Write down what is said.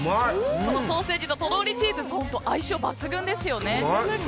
ソーセージと、とろりチーズ本当に相性抜群ですよね。